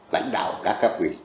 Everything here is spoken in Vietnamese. lãnh đạo các cấp quỷ